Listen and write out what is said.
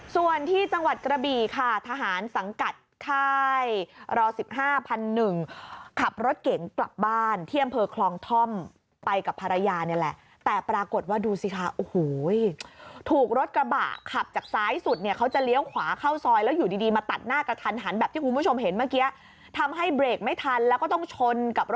ส่วนที่จังหวัดกระบี่ค่ะทหารสังกัดค่ายร๑๕พันหนึ่งขับรถเก๋งกลับบ้านที่อำเภอคลองท่อมไปกับภรรยานี่แหละแต่ปรากฏว่าดูสิคะโอ้โหถูกรถกระบะขับจากซ้ายสุดเนี่ยเขาจะเลี้ยวขวาเข้าซอยแล้วอยู่ดีมาตัดหน้ากระทันหันแบบที่คุณผู้ชมเห็นเมื่อกี้ทำให้เบรกไม่ทันแล้วก็ต้องชนกับร